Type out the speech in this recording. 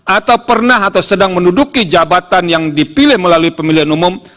atau pernah atau sedang menduduki jabatan yang dipilih melalui pemilihan umum